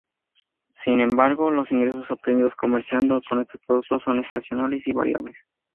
Sin embargo, los ingresos obtenidos comerciando con estos productos son estacionales y variables.